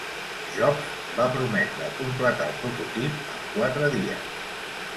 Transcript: Jobs va prometre a completar el prototip en quatre dies.